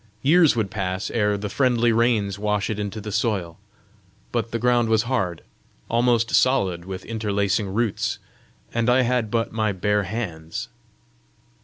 Years would pass ere the friendly rains washed it into the soil! But the ground was hard, almost solid with interlacing roots, and I had but my bare hands!